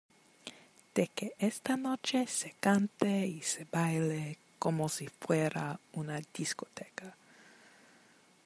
de que esta noche se cante y se baile como si fuera una discoteca.